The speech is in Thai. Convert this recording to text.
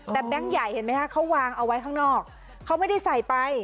แต่แบงค์ใหญ่เห็นไหมคะเขาวางเอาไว้ข้างนอกเขาไม่ได้ใส่ไป